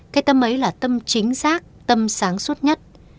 cái tâm ấy là tâm chính xác tâm sáng suốt nhất